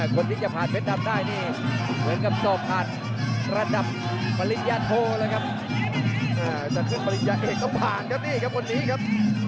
คนที่จะผ่านเพชรดำได้นี่เหมือนกับสอบผ่านระดับปริญญาโทรเลยครับ